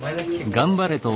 頑張れよ。